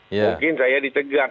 mungkin saya ditegak